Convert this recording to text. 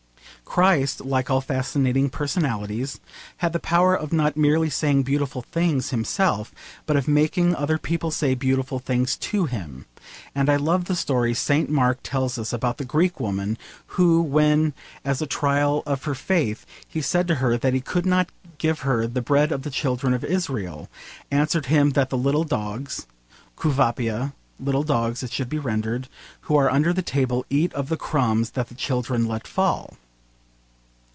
Christ, like all fascinating personalities, had the power of not merely saying beautiful things himself, but of making other people say beautiful things to him; and I love the story St. Mark tells us about the Greek woman, who, when as a trial of her faith he said to her that he could not give her the bread of the children of Israel, answered him that the little dogs ([Greek text], 'little dogs' it should be rendered) who are under the table eat of the crumbs that the children let fall.